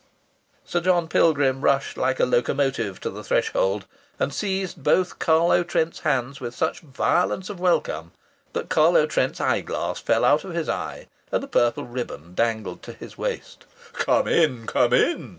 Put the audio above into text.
Sir John Pilgrim rushed like a locomotive to the threshold and seized both Carlo Trent's hands with such a violence of welcome that Carlo Trent's eyeglass fell out of his eye and the purple ribbon dangled to his waist. "Come in, come in!"